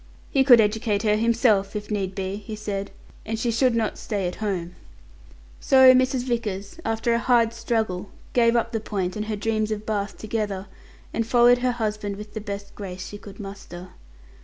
"He could educate her himself, if need be," he said; "and she should not stay at home." So Mrs. Vickers, after a hard struggle, gave up the point and her dreams of Bath together, and followed her husband with the best grace she could muster.